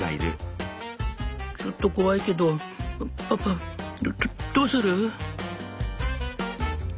ちょっと怖いけどパパどどうする？